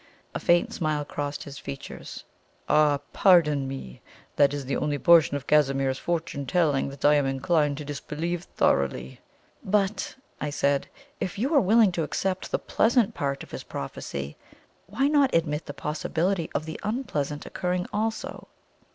A faint smile crossed his features. "Ah, pardon me! That is the only portion of Casimir's fortune telling that I am inclined to disbelieve thoroughly." "But," I said, "if you are willing to accept the pleasant part of his prophecy, why not admit the possibility of the unpleasant occurring also?"